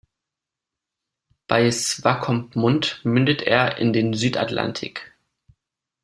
Bei Swakopmund mündet er in den Südatlantik.